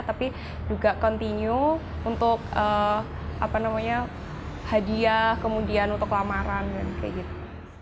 tapi juga continue untuk hadiah kemudian untuk lamaran dan kayak gitu